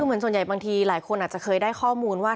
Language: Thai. คือเหมือนส่วนใหญ่บางทีหลายคนอาจจะเคยได้ข้อมูลว่า